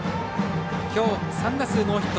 きょう３打数ノーヒット。